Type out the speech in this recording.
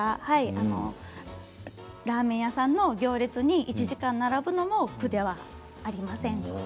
ラーメン屋さんの行列に１時間並ぶのも苦ではありません。